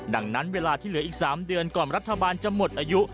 ดังนั้นเวลาที่เหลืออีก๓เดือนก่อนรัฐบาลจะหมดอายุ